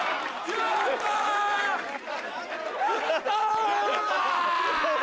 やった！